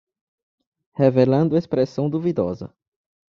Revelando expressão duvidosa